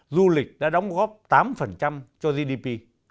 du lịch đã đóng góp tám cho gdp